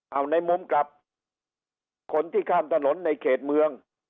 เอาในมุมกับคนที่ข้ามถนนในเขตเมือง